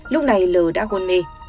lúc này l đã hôn mê